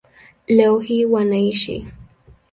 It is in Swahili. Leo hii wanaishi